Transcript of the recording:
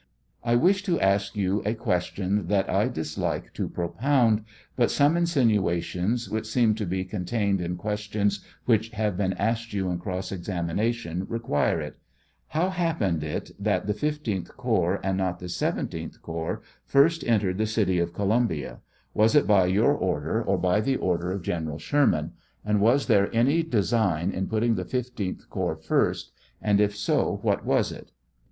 I wish to ask you a question that I dislike to propound, but some insinuations, which seem to be con tained in questions which have been asked you in cross examination require it ; how happened it that the 15th corps, and not the 17th corps, first entered the city of Columbia ; was it by your order or by the order of General Sherman, and was there any design in putting the 15th corps first ; and if so, what was it